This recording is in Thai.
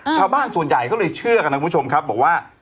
ชาวบ้านส่วนใหญ่เขาเลยเชื่อกันนะคุณผู้ชมครับบอกว่า